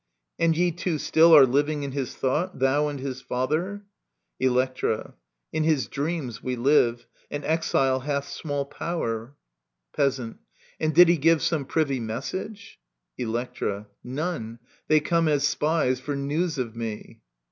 And ye two still are living in his thought, Thou and his father ? Electra. In his dreams we live* An exile hath small power. Digitized by VjOOQIC ELECTRA 25 Peasant. And did he give Some privy message ? Electra. None : they come as spies For news of me.